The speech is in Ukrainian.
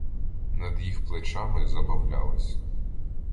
Над їх плечами забавлялись